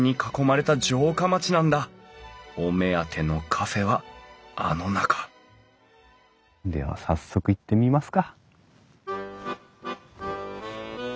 お目当てのカフェはあの中では早速行ってみますか。